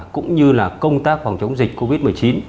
cũng như là công tác phòng chống dịch covid một mươi chín